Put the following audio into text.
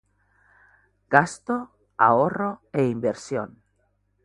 Gasto, ahorro e inversión